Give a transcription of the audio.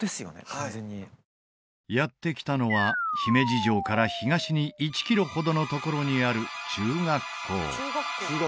完全にやって来たのは姫路城から東に１キロほどのところにある中学校